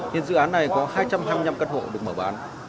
hiện dự án này có hai trăm hai mươi năm căn hộ được mở bán